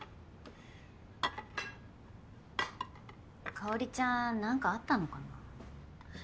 香ちゃん何かあったのかなあ。